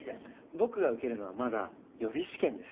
僕が受けるのはまだ予備試験です。